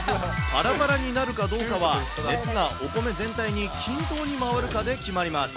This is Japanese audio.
パラパラになるかどうかは、熱がお米全体に均等に回るかで決まります。